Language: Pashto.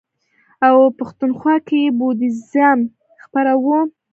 او پښتونخوا کې یې بودیزم خپراوه.